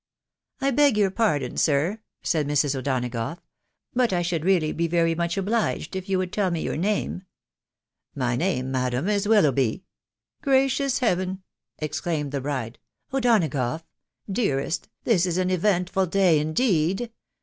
" I beg your pardon, sir." said Mrs. O'Donagough ...." but I should really be very much obliged if you would tell me your name." t€ My name, madam, is Willoughby." " Gracious heaven !." exclaimed the bride, u O'Donagough, dearest, this is an eventful day, indeed